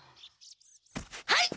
はい！